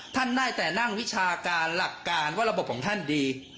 ท่านได้แต่นั่งวิชาการหลักการว่าระบบของท่านดี